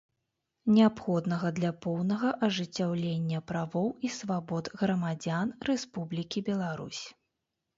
Неабходнага для поўнага ажыццяўлення правоў і свабод грамадзян Рэспублікі Беларусь.